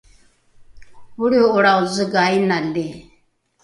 olriho’olrao zega inali